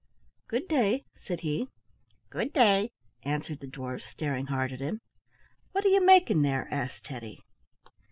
"Good day," said he. "Good day," answered the dwarfs, staring hard at him. "What are you making there?" asked Teddy.